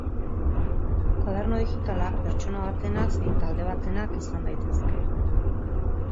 Koaderno digitalak pertsona batenak zein talde batenak izan daitezke.